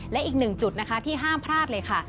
และอีกหนึ่งจุดนะคะที่ห้ามพลาดเลยค่ะ